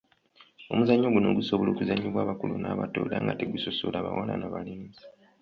Omuzannyo guno gusobola okuzannyibwa abakulu n’abato era nga tegusosola bawala n’abalenzi.